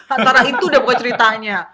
antara itu udah buat ceritanya